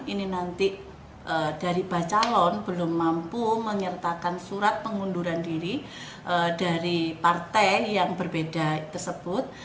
ini nanti dari bakal calon belum mampu menyertakan surat pengunduran diri dari partai yang berbeda tersebut